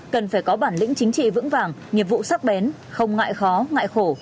cần phải có bản lĩnh chính trị vững vàng nghiệp vụ sắc bén không ngại khó ngại khổ